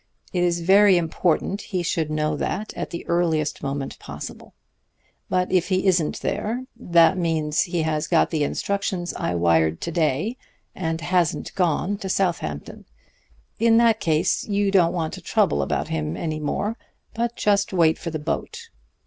It is very important he should know that at the earliest moment possible. But if he isn't there, that means he has got the instructions I wired to day, and hasn't gone to Southampton. In that case you don't want to trouble about him any more, but just wait for the boat.